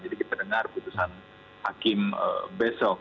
jadi kita dengar putusan hakim besok